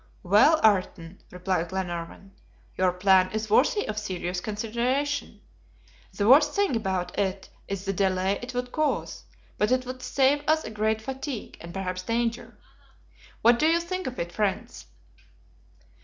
"Well, Ayrton," replied Glenarvan, "your plan is worthy of serious consideration. The worst thing about it is the delay it would cause; but it would save us great fatigue, and perhaps danger. What do you think of it, friends?"